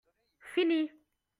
Fini